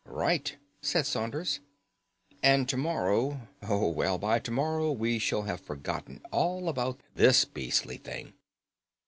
"Right," said Saunders; "and to morrow—Oh, well, by to morrow we shall have forgotten all about this beastly thing."